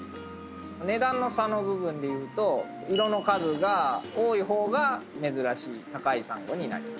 値段の差の部分でいうと色の数が多い方が珍しい高いサンゴになります。